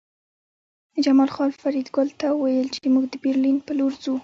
جمال خان فریدګل ته وویل چې موږ د برلین په لور ځو